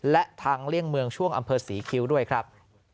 และทางเลี่ยงเมืองช่วงอำเภอศรีคิ้วด้วยครับ